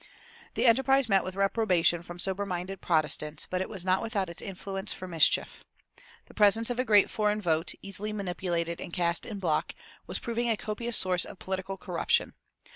The enterprise met with reprobation from sober minded Protestants, but it was not without its influence for mischief. The presence of a great foreign vote, easily manipulated and cast in block, was proving a copious source of political corruption.